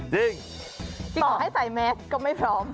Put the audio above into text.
จริงจริงจริงขอให้ใส่แม็กซ์ก็ไม่พร้อม